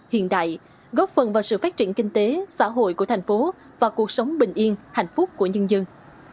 hiện đại góp phần vào sự phát triển kinh tế xã hội của thành phố và cuộc sống bình yên hạnh phúc của nhân dân